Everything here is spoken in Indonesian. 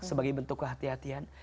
sebagai bentuk kehatian kehatian